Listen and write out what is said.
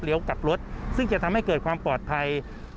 กลับรถซึ่งจะทำให้เกิดความปลอดภัย